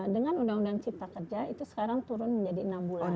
dengan undang undang cipta kerja itu sekarang turun menjadi enam bulan